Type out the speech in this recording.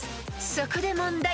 そこで問題］